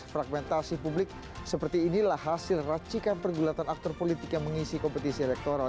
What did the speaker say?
fragmentasi publik seperti inilah hasil racikan pergulatan aktor politik yang mengisi kompetisi elektoral